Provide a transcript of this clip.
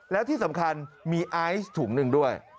แล้วที่สำคัญมีไอซ์ถุงหนึ่งด้วย